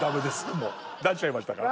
もう出しちゃいましたから。